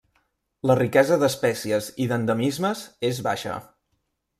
La riquesa d'espècies i d'endemismes és baixa.